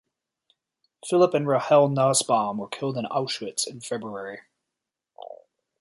Philipp and Rahel Nussbaum were killed at Auschwitz in February.